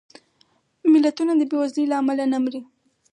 ملتونه د بېوزلۍ له امله نه مري